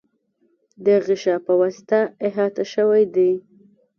د غشا په واسطه احاطه شوی دی.